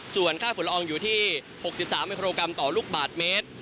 ส่วนค่าฝุ่นละอองอยู่ที่๖๓มิโครกรัมต่อลูกบาทเมตร